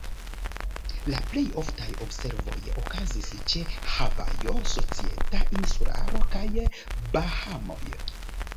La plej oftaj observoj okazis ĉe Havajo, Societa Insularo, kaj Bahamoj.